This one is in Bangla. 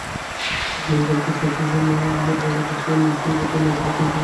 আপনি বলতে চাইছেন যে, আমার বাবাকে স্যালভ্যাতোর ম্যারোনি খুন করেছে?